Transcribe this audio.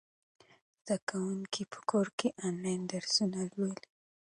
زده کوونکي په کور کې آنلاین درسونه لولي.